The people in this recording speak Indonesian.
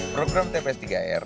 program tps tiga r